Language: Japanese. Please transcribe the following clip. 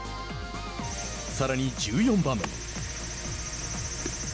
さらに１４番。